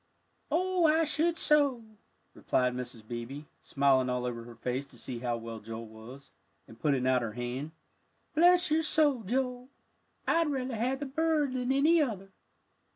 "Oh, I should so," replied Mrs. Beebe, smiling all over her face to see how well Joel was, and putting out her hand. "Bless your heart, Joel, I'd rather have the bird than any other."